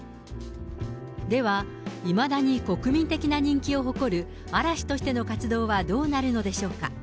では、いまだに国民的な人気を誇る嵐としての活動はどうなるのでしょうか。